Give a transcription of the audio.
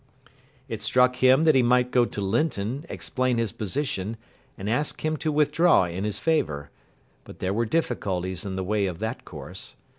It struck him that he might go to Linton, explain his position, and ask him to withdraw in his favour, but there were difficulties in the way of that course.